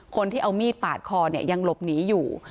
คนที่เอามีดปาดคอเนี่ยยังหลบหนีอยู่